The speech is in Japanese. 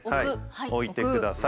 置いてください。